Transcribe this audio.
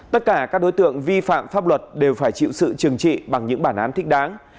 tất cả các đối tượng vi phạm pháp luật đều phải chịu sự trừng trị bằng những bản án thích đáng